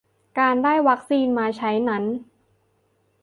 การได้วัคซีนมาใช้นั้น